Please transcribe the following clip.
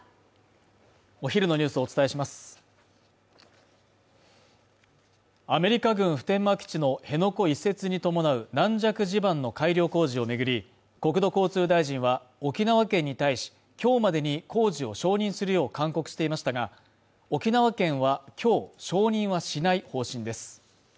お昼のニュースをお伝えしますアメリカ軍普天間基地の辺野古移設に伴う軟弱地盤の改良工事をめぐり国土交通大臣は沖縄県に対しきょうまでに工事を承認するよう勧告していましたが沖縄県は今日承認はしない方針です